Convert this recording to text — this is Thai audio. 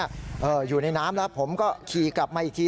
อยู่ในน้ำแล้วผมก็ขี่กลับมาอีกที